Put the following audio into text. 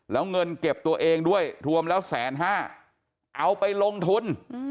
แล้วเงินเก็บตัวเองด้วยรวมแล้วแสนห้าเอาไปลงทุน